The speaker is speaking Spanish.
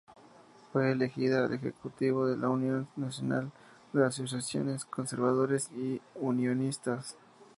Fue elegida al ejecutivo de la Unión Nacional de Asociaciones Conservadoras y Unionistas.